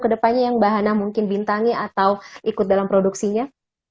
kedepannya yang mbak hana mungkin bintangi atau ikut dalam produksinya